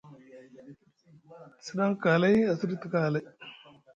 Te sdaŋ kalay a sɗiti kalay.